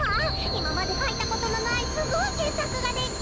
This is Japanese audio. いままでかいたことのないすごいけっさくができそう！